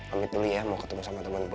amit dulu ya mau ketemu sama temen boy